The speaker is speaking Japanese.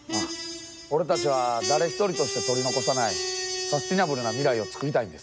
俺たちは誰ひとりとして取り残さないサステナブルな未来をつくりたいんです。